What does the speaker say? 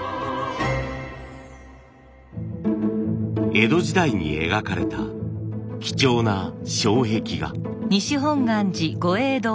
江戸時代に描かれた貴重な障壁画。